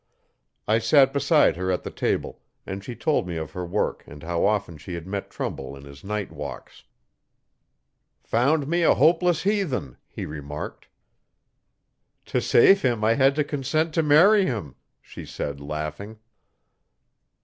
I sat beside her at the table, and she told me of her work and how often she had met Trumbull in his night walks. 'Found me a hopeless heathen,' he remarked. 'To save him I had to consent to marry him,' she said, laughing.